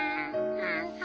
ハハハ。